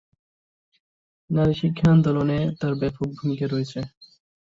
নারীশিক্ষা আন্দোলনে তার ব্যাপক ভূমিকা রয়েছে।